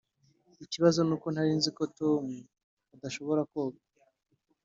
ikibazo nuko ntari nzi ko tom adashobora koga.